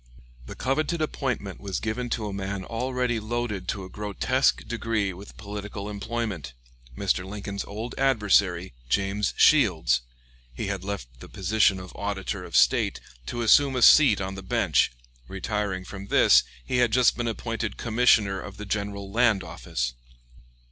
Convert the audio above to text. The coveted appointment was given to a man already loaded to a grotesque degree with political employment Mr. Lincoln's old adversary, James Shields, He had left the position of Auditor of State to assume a seat on the Bench; retiring from this, he had just been appointed Commissioner of the General Land Office.